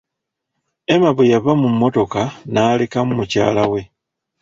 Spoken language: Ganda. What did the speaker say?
Emma bwe yava mu mmotoka n'alekamu mukyala we.